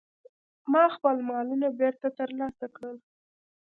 ما خپل مالونه بیرته ترلاسه کړل.